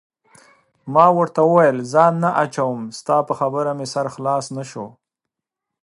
ما ورته وویل: ځان نه اچوم، ستا په خبره مې سر خلاص نه شو.